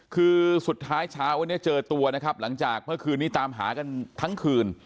คือสุดท้ายเช้าวันนี้เจอตัวนะครับหลังจากเมื่อคืนนี้ตามหากันทั้งคืน